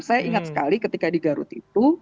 saya ingat sekali ketika di garut itu